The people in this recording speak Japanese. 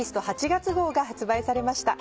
月号が発売されました。